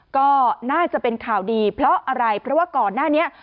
ก็น่าจะเป็นข่าวดีเพราะอะไรเพราะว่าก่อนหน้านี้